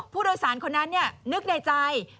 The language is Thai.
ผู้โดยสารคนนั้นนึกในใจ